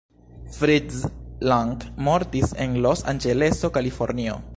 Fritz Lang mortis en Los-Anĝeleso, Kalifornio.